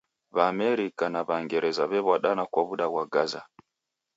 W'aamerika na W'angereza w'ew'adana kwa w'uda ghwa Gaza.